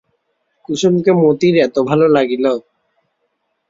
কুসুমকে মতির এত ভালো লাগিল!